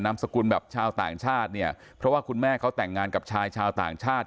สกุลแบบชาวต่างชาติเนี่ยเพราะว่าคุณแม่เขาแต่งงานกับชายชาวต่างชาติ